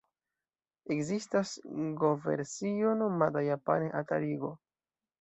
Ekzistas go-versio nomata japane 'Atari-go'.